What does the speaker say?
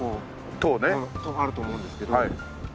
棟があると思うんですけど。